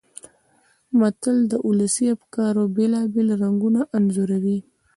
متل د ولسي افکارو بېلابېل رنګونه انځوروي